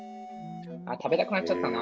あ食べたくなっちゃったな。